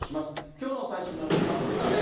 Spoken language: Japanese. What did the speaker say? きょうの最新のニュースは森さん